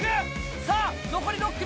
さあ、残り６組。